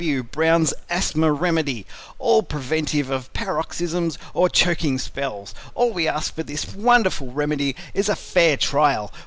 W. Brown's Asthma Remedy A Preventive of Paroxysms or Choking Spells. All we ask for this wonderful remedy is a fair trial.